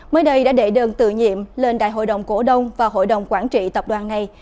mới đây đã đệ đơn tự nhiệm lên đại hội đồng cổ đông và hội đồng quản trị tập đoàn này